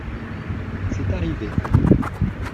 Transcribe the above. C’est arrivé.